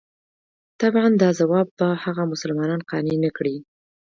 طبعاً دا ځواب به هغه مسلمانان قانع نه کړي.